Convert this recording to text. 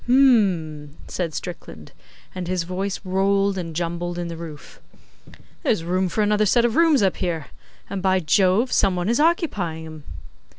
'H'm!' said Strickland, and his voice rolled and rumbled in the roof. 'There's room for another set of rooms up here, and, by Jove, some one is occupying 'em!